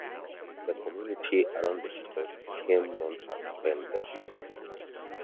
The community around the stop became known as "Ben Davis".